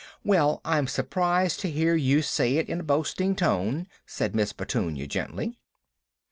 "Well, I'm surprised to hear you say it in a boasting tone," said Miss Petunia gently.